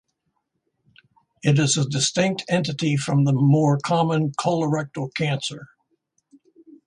It is a distinct entity from the more common colorectal cancer.